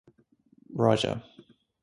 Raja.